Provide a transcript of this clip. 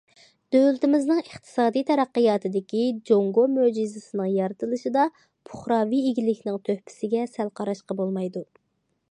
دۆلىتىمىزنىڭ ئىقتىسادىي تەرەققىياتىدىكى جۇڭگو مۆجىزىسىنىڭ يارىتىلىشىدا پۇقراۋى ئىگىلىكنىڭ تۆھپىسىگە سەل قاراشقا بولمايدۇ.